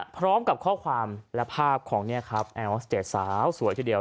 พร้อมกับข้อความและภาพของแอร์ออสเตจสาวสวยทีเดียว